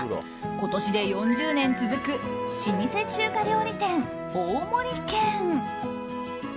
今年で４０年続く老舗中華料理店、大盛軒。